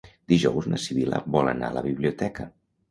Dijous na Sibil·la vol anar a la biblioteca.